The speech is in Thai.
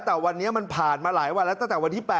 แต่วันนี้มันผ่านมาหลายวันแล้วตั้งแต่วันที่๘